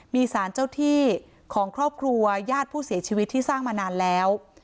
มีสารเจ้าที่ของครอบครัวญาติผู้เสียชีวิตที่สร้างมานานแล้ว